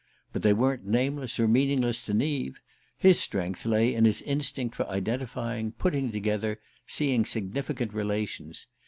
But they weren't nameless or meaningless to Neave; his strength lay in his instinct for identifying, putting together, seeing significant relations.